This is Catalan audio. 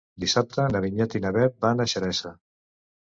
Dissabte na Vinyet i na Bet van a Xeresa.